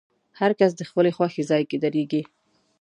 هر کس د خپلې خوښې ځای کې درېږي.